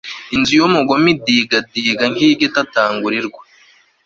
inzu y'umugome idigadiga nk'iy'igitagangurirwa